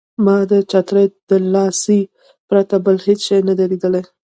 ما د چترۍ د لاسۍ پرته بل هېڅ شی نه لیدل.